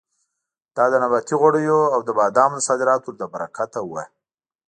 دا د نباتي غوړیو او د بادامو د صادراتو له برکته وه.